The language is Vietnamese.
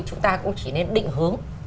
chúng ta cũng chỉ nên định hướng